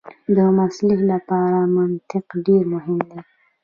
د محصل لپاره منطق ډېر مهم دی.